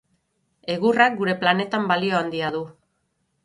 Egurrak gure planetan balio handia du.